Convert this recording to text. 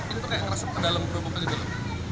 ini tuh kayak ngerasuk ke dalam kerupuknya gitu